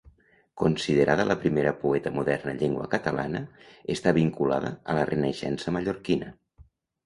Considerada la primera poeta moderna en llengua catalana, està vinculada a la Renaixença mallorquina.